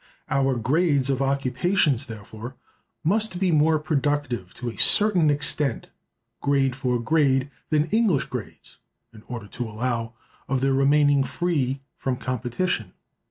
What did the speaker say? Our grades of occupations, therefore, must be more productive to a certain extent, grade for grade, than English grades, in order to allow of their remaining free from competition.